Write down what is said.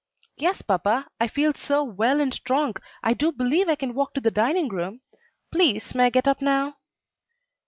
"Yes, papa, I feel so well and strong I do believe I can walk to the dining room. Please, may I get up now?"